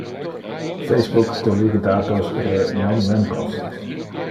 Facebook collige datos re non-membros.